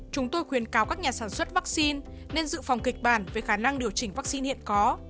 chúng tôi khuyến cáo các nhà sản xuất vaccine nên dự phòng kịch bản về khả năng điều chỉnh vaccine hiện có